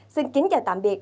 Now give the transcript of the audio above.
xin kính chào tạm biệt